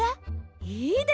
いいですね！